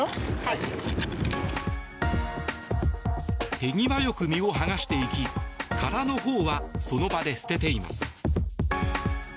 手際よく身を剥がしていき殻のほうはその場で捨てています。